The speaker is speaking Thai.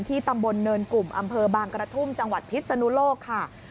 ตำบลเนินกลุ่มอำเภอบางกระทุ่มจังหวัดพิศนุโลกค่ะ